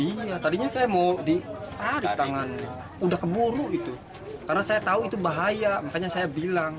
iya tadinya saya mau di tangan udah keburu itu karena saya tahu itu bahaya makanya saya bilang